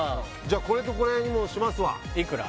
これとこれにしますわいくら？